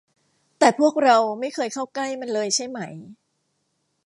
แต่พวกเราไม่เคยเข้าใกล้มันเลยใช่ไหม